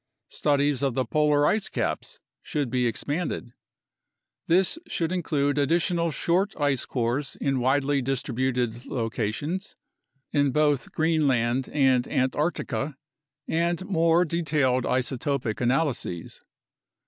Studies of the polar ice caps should be expanded. This should include additional short ice cores in widely distributed locations, in both Greenland and Antarctica, and more detailed isotopic analyses.